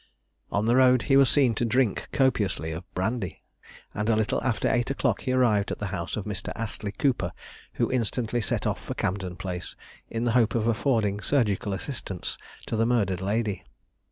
On the road he was seen to drink copiously of brandy, and a little after eight o'clock he arrived at the house of Mr. Astley Cooper, who instantly set off for Camden Place, in the hope of affording surgical assistance to the murdered lady.